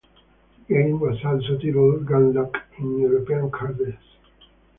The game was also titled Gunlock in European arcades.